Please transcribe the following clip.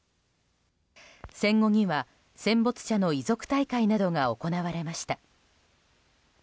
戦後には戦没者の遺族大会などが行われました。